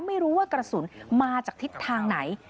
ไม่รู้ว่ากระสุนมาจากทิศทางไหน